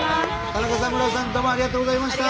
田中さん村尾さんどうもありがとうございました。